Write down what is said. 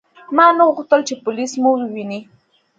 ما نه غوښتل چې پولیس مو وویني.